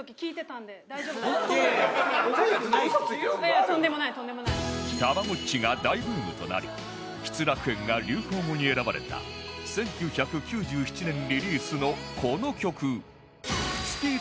たまごっちが大ブームとなり「失楽園」が流行語に選ばれた１９９７年リリースのこの曲